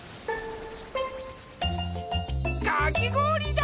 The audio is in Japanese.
かきごおりだ！